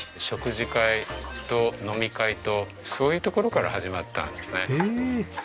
食事会と飲み会とそういうところから始まったんですね。